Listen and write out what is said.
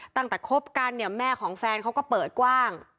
คบกันเนี่ยแม่ของแฟนเขาก็เปิดกว้าง